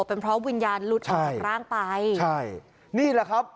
เป็นเพราะวิญญาณหลุดออกจากร่างไปใช่นี่แหละครับ